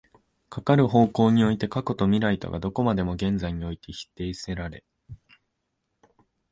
かかる方向において過去と未来とがどこまでも現在において否定せられ、